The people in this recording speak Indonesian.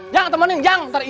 jang temenin jang ntar ini